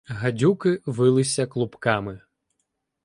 Гадюки вилися клубками